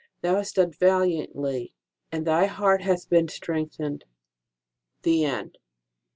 Thou hast done valiantly, and thy heart hath been strengthened. THE END.